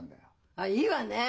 あっいいわね！